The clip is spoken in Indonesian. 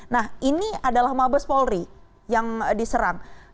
nah ini adalah mabes polri yang diserang